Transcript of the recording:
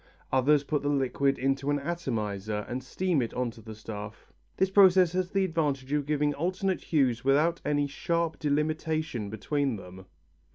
Others put the liquid into an atomizer and steam it on to the stuff. This process has the advantage of giving alternate hues without any sharp delimitation between them.